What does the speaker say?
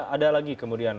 ada lagi kemudian